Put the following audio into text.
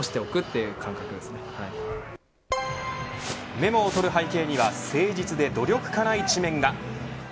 メモをとる背景には誠実で努力家な一面が。